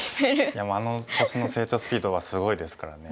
いやあの年の成長スピードはすごいですからね。